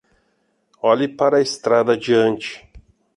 Olhe para a estrada adiante